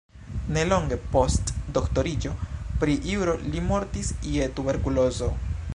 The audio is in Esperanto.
Nelonge post doktoriĝo pri juro li mortis je tuberkulozo.